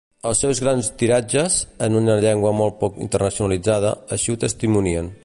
Els seus grans tiratges, en una llengua molt poc internacionalitzada, així ho testimonien.